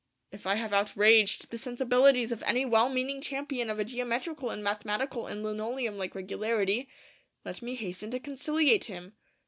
If I have outraged the sensibilities of any well meaning champion of a geometrical and mathematical and linoleum like regularity, let me hasten to conciliate him!